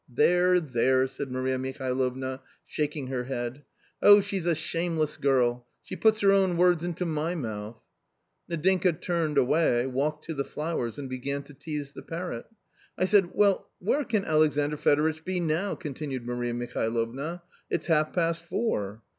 " "There, there!" said Maria Mihalovna, shaking her head ;" oh, she's a shameless girl ! she puts her own words into my mouth !" Nadinka turned away, walked to the flowers and began to tease the parro,t. " I said, ' Well, where can Alexandr Fedoritch be now ?'" continued Maria Mihalovna " it's half past four.